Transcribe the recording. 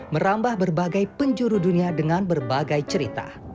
merambah berbagai penjuru dunia dengan berbagai cerita